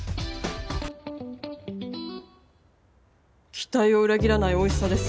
期待を裏切らないおいしさです。